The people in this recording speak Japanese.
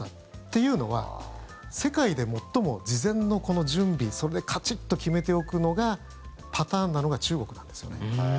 というのは世界で最も事前のこの準備それでカチッと決めておくのがパターンなのが中国なんですよね。